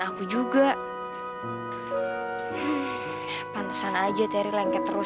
aku gak bisa ter aku takut